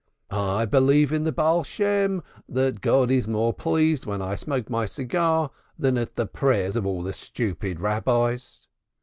I believe with the Baal Shem that God is more pleased when I smoke my cigar than at the prayers of all the stupid Rabbis.